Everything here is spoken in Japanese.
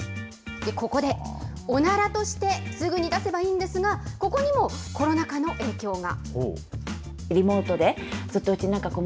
ここで、おならとしてすぐに出せばいいんですが、ここにもコロナ禍の影響が。